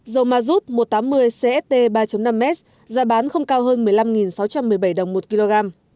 dầu mazut một trăm tám mươi cst ba năm s giá bán không cao hơn một mươi năm sáu trăm một mươi bảy đồng một kg